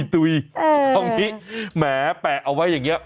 ตุ๊ยแหมแปลกเอาไว้อย่างนี้